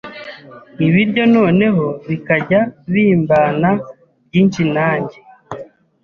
ibiryo noneho bikajya bimbana byinshi nanjye